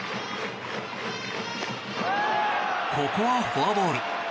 ここはフォアボール。